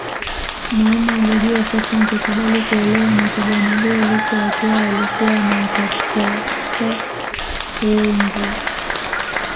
Maana alijua sasa angekubali kuolewa na kijana huyo licha ya kuwa alikuwa amewakatata wengi